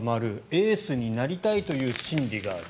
エースになりたいという心理がある。